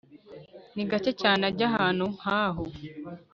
Ni gake cyane ajya ahantu nkaho